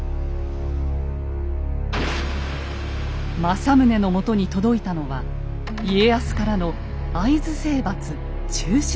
政宗のもとに届いたのは家康からの会津征伐中止の連絡でした。